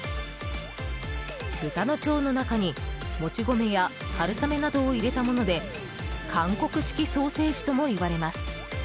豚の腸の中にもち米や春雨などを入れたもので韓国式ソーセージともいわれます。